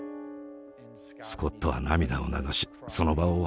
スコットは涙を流しその場を後にしました。